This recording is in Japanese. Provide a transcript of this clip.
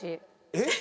えっ！？